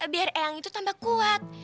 biar eyang itu tambah kuat